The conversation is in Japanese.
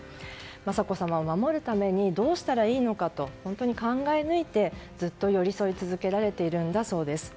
雅子さまを守るためにどうしたらいいのかと考えぬいてずっと寄り添い続けられているんだそうです。